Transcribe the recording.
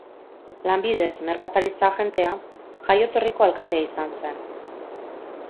Lanbidez merkataritza-agentea, jaioterriko alkatea izan zen.